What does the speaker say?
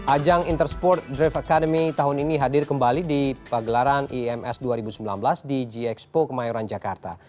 ajang intersport drift academy tahun ini hadir kembali di pagelaran ims dua ribu sembilan belas di g expo kemayoran jakarta